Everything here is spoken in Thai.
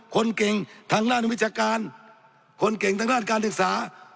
คนเก่งทางด้านวิชาการคนเก่งทางด้านการศึกษา